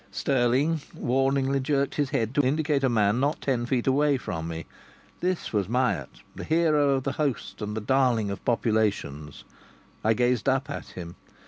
Stirling warningly jerked his head to indicate a man not ten feet away from me. This was Myatt, the hero of the host and the darling of populations. I gazed up at him.